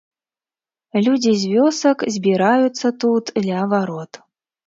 Людзі з вёсак збіраюцца тут, ля варот.